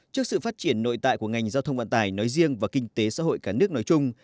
trước sự phát triển nội tại của ngành giao thông vận tải nói riêng và kinh tế xã hội cả nước nói chung